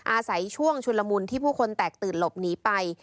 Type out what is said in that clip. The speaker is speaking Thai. อาศัยช่วงชุนละมุนที่ผู้คนแตกตื่นหลบหนีไป